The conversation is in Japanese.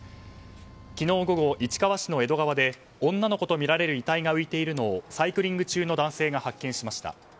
昨日午後、市川市の江戸川で女の子とみられる遺体が浮いているのをサイクリング中の男性が発見しました。